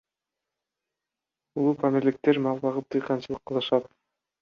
Улуупамирликтер мал багып, дыйканчылык кылышат.